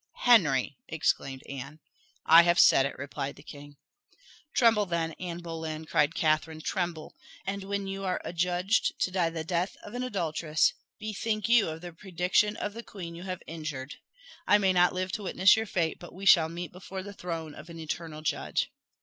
"Henry!" exclaimed Anne. "I have said it," replied the king. "Tremble, then, Anne Boleyn!" cried Catherine, "tremble! and when you are adjudged to die the death of an adulteress, bethink you of the prediction of the queen you have injured. I may not live to witness your fate, but we shall meet before the throne of an eternal Judge."